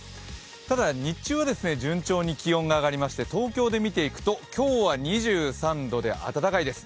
ただ、日中は順調に気温が上がりまして東京で見ていくと、今日は２３度で暖かいです。